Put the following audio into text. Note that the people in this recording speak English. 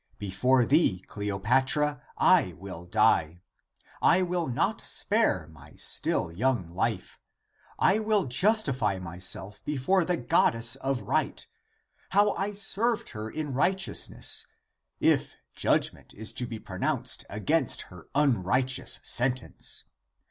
Before thee, Cleo patra, I will die. I will not spare my still young life. I will justify myself before the goddess of right, how I served her in righteousness, if judg ment is to be pronounced against her unrighteous sentence.